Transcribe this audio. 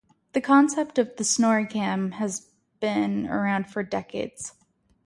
The concept of the SnorriCam has been around for decades.